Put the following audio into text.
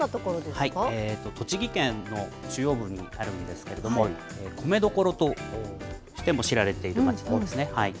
栃木県の中央部にあるんですけれども、米どころとしても知られている町なんですね。